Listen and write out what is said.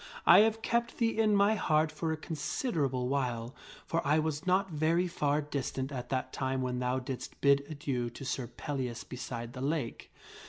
I have kept thee in my heart for a considerable while, for 1 was not very far distant at that time when thou didst bid adieu to Sir Pellias beside the lake.